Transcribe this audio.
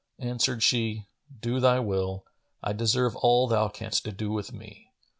Answered she, "Do thy will: I deserve all thou canst do with me."